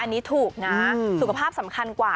อันนี้ถูกนะสุขภาพสำคัญกว่า